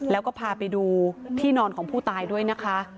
แล้วก็พาไปดูที่นอนของผู้ตายด้วยนะคะ